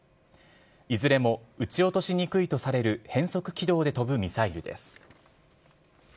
いずれも撃ち落としにくいとされる変則軌道で飛ぶミサイルです。